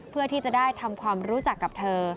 เพื่อที่จะได้ทำความรู้จักกับเธอ